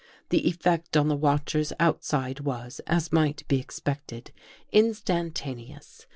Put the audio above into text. The effect on the watchers outside | was, as might be expected, instantaneous.